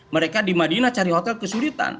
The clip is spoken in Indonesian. mereka di madinah cari hotel kesulitan